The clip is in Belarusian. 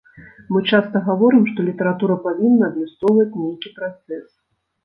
Мы часта гаворым, што літаратура павінна адлюстроўваць нейкі працэс.